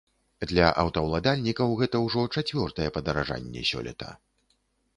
Для аўтаўладальнікаў гэта ўжо чацвёртае падаражанне сёлета.